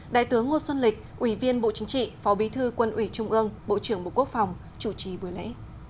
đại tướng ngô xuân lịch ủy viên bộ chính trị phó bí thư quân ủy trung ương bộ trưởng bộ quốc phòng chủ trì buổi lễ